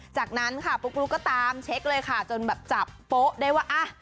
จากนั้นค่ะปุ๊กลุ๊กก็ตามเช็คเลยค่ะจนแบบจับโป๊ะได้ว่าอ่ะ